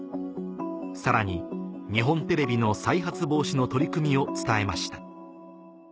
さらに日本テレビの再発防止の取り組みを伝えました